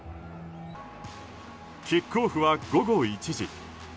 キックオフは午後１時。